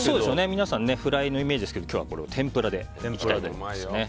皆さんフライのイメージですけど今日は天ぷらでいきたいと思います。